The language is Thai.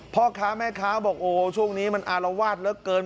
พ่อค้าแม่ค้าบอกโอ้ช่วงนี้มันอารวาสเหลือเกิน